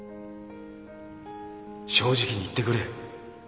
正直に言ってくれ。